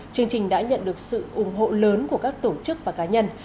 chương trình đã nhận được sự ủng hộ lớn của các tổ chức và cá nhân